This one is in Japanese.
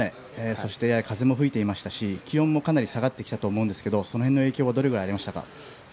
そして風も吹いていましたし気温もかなり下がってきたと思うんですがその辺の影響はどのくらいありましたか？